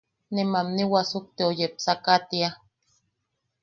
Ne mamni wasukteo yepsakatia.